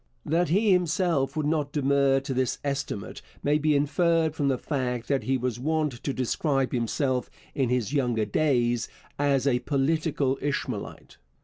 That he himself would not demur to this estimate may be inferred from the fact that he was wont to describe himself, in his younger days, as a 'political Ishmaelite.'